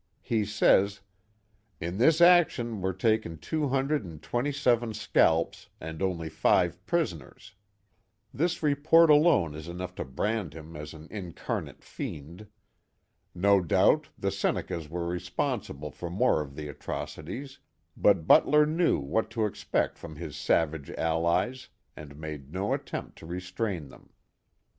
He says, " In this action were taken two hundred and twenty seven scalps, and only five prisoners." This report alone is enough to brand him as an incarnate fiend. No doubt the Senecas were responsible for most of the atroci ties, but Butler knew what to expect from his savage allies, and made no attempt to restrain them.